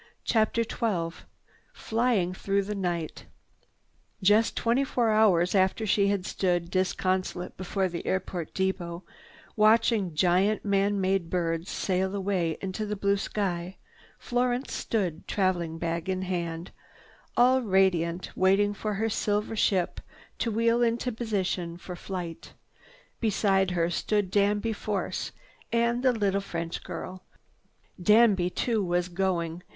CHAPTER XII FLYING THROUGH THE NIGHT Just twenty four hours after she had stood disconsolate before the airport depot, watching giant man made birds sail away into the blue sky, Florence stood, traveling bag in hand, all radiant, waiting for her silver ship to wheel into position for flight. Beside her stood Danby Force and the little French girl. Danby too was going.